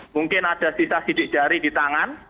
mungkin ada sisa sidik jari di tangan